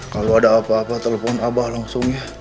kalau ada apa apa telepon abah langsung ya